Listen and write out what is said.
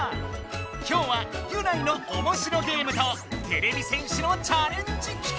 今日はギュナイのおもしろゲームとてれび戦士のチャレンジ企画！